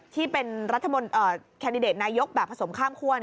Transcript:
ที่เป็นแคนดิเดตนายกแบบผสมข้ามคั่ว